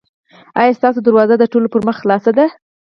ایا ستاسو دروازه د ټولو پر مخ خلاصه ده؟